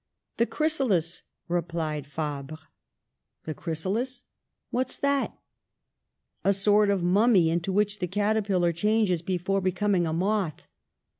'The chrysalis," replied Fabre. "The chrysalis! What's that?" "A sort of mummy into which the caterpillar changes before becoming a moth."